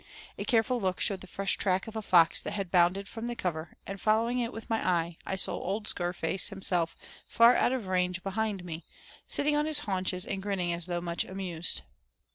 A careful look showed the fresh track of a fox that had bounded from the cover, and following it with my eye I saw old Scarface himself far out of range behind me, sitting on his haunches and grinning as though much amused.